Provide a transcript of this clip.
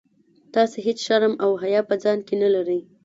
تاسي هیڅ شرم او حیا په ځان کي نه لرئ.